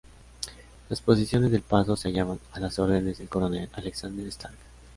Las posiciones del Paso se hallaban a las órdenes del coronel Alexander Stark.